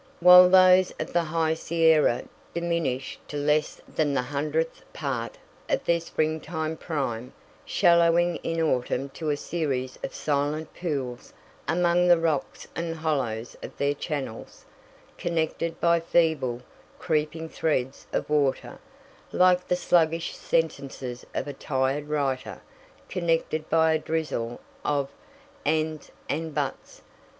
While those of the high Sierra diminish to less than the hundredth part of their springtime prime, shallowing in autumn to a series of silent pools among the rocks and hollows of their channels, connected by feeble, creeping threads of water, like the sluggish sentences of a tired writer, connected by a drizzle of "ands" and "buts."